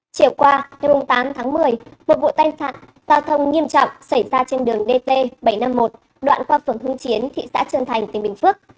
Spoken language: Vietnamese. chiều qua ngày tám tháng một mươi một vụ tai nạn giao thông nghiêm trọng xảy ra trên đường dt bảy trăm năm mươi một đoạn qua phường hưng chiến thị xã trơn thành tỉnh bình phước